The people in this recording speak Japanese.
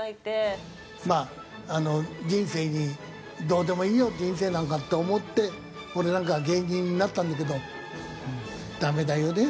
まああの人生にどうでもいいよ人生なんかって思って俺なんかは芸人になったんだけどダメだよね